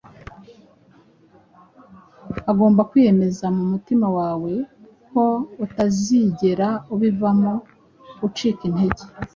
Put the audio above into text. ugomba kwiyemeza mu mutima wawe ko utazigera ubivamo, ucika intege.